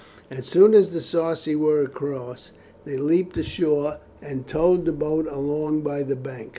As soon as the Sarci were across, they leapt ashore and towed the boat along by the bank.